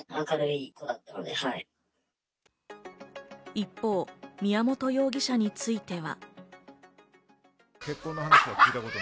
一方、宮本容疑者については。